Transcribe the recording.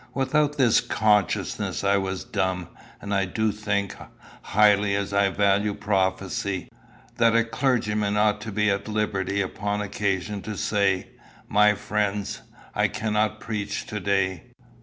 Without this consciousness I was dumb. And I do think, highly as I value prophecy, that a clergyman ought to be at liberty upon occasion to say, "My friends, I cannot preach to day."